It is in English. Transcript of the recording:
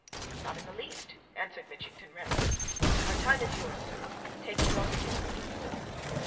"Not in the least," answered Mitchington, readily. "Our time's yours, sir. Take as long as you like."